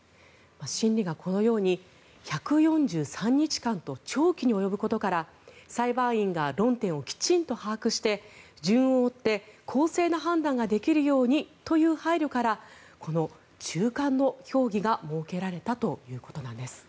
審理がこのように１４３日間と長期に及ぶことから裁判員が論点をきちんと把握して順を追って公正な判断ができるようにという配慮からこの中間の評議が設けられたということです。